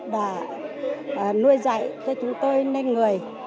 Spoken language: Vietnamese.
đã nuôi dạy cho chúng tôi nên người